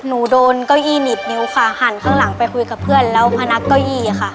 โดนเก้าอี้หนีบนิ้วค่ะหันข้างหลังไปคุยกับเพื่อนแล้วพนักเก้าอี้ค่ะ